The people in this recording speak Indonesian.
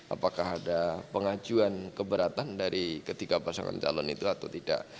apakah ada pengajuan keberatan dari ketiga pasangan calon itu atau tidak